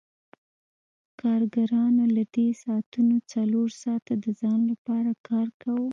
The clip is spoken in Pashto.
کارګرانو له دې ساعتونو څلور ساعته د ځان لپاره کار کاوه